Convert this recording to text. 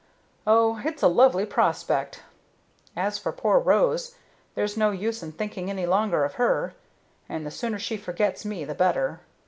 Oh, it's a lovely prospect! As for poor Rose, there's no use in thinking any longer of her, and the sooner she forgets me the better.